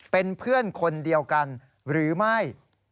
เป็นเพื่อนคนเดียวกันหรือไม่